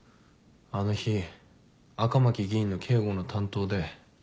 あの日赤巻議員の警護の担当で。